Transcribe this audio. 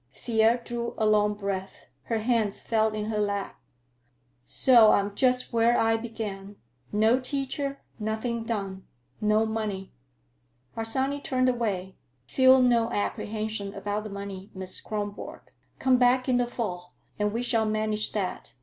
Thea drew a long breath. Her hands fell in her lap. "So I'm just where I began. No teacher, nothing done. No money." Harsanyi turned away. "Feel no apprehension about the money, Miss Kronborg. Come back in the fall and we shall manage that.